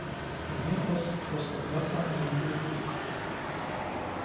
Von hier aus floss das Wasser in den Burgsee ab.